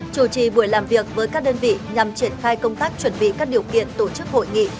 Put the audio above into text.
chủ trì buổi làm việc với các đơn vị nhằm triển khai công tác chuẩn bị các điều kiện tổ chức hội nghị